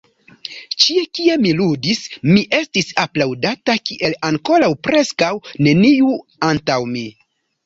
Ĉie kie mi ludis, mi estis aplaŭdata kiel ankoraŭ preskaŭ neniu antaŭ mi.